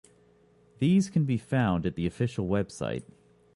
These can be found at the official website.